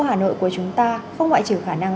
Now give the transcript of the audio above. hà nội của chúng ta không ngoại trừ khả năng